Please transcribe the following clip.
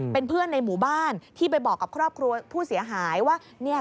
เป็นเพื่อนในหมู่บ้านที่ไปบอกกับครอบครัวผู้เสียหายว่า